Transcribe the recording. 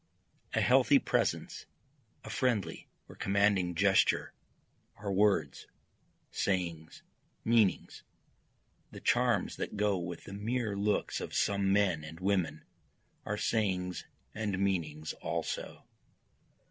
A healthy presence, a friendly or commanding gesture, are words, sayings, meanings, The charms that go with the mere looks of some men and women, are sayings and meanings also.